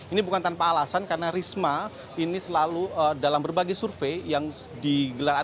ini bukan tanpa alasan karena risma ini selalu dalam berbagai survei yang digelar